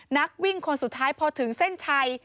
นักวิ่งคนสุดท้ายพอถึงเส้นชัย